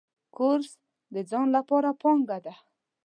کورس د ځان لپاره پانګه ده.